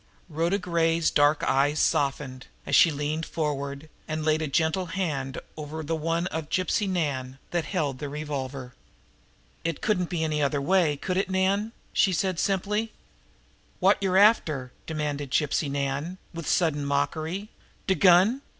Rhoda Gray's dark eyes softened, as she leaned forward and laid a hand gently over the one of Gypsy Nan that held the revolver. "It couldn't be any other way, could it, Nan?" she said simply. "Wot yer after?" demanded Gypsy Nan, with sudden mockery. "De gun?